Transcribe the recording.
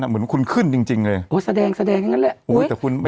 เหมือนว่าคุณขึ้นจริงเลยโอ้แสดงแสดงอย่างไร